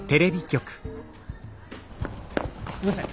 すいません